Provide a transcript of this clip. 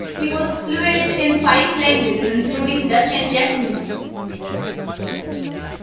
He was fluent in five languages, including Dutch and Japanese.